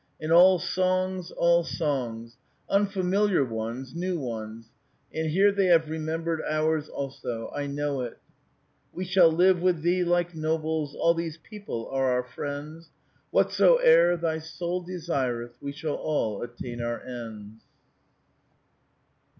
And all songs, all songs, — unfamiliar ones, new ones ; and here they have remembered ours also : I know it :—Wc shall live with thee like nobles ; All these people are our friends; Whatsoe'er thy soul desireth, We shall all attain our ends."